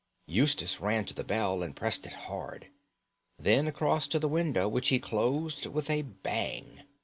Eustace ran to the bell and pressed it hard; then across to the window, which he closed with a bang.